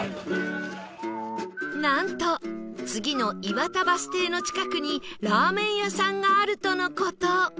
なんと次の岩田バス停の近くにラーメン屋さんがあるとの事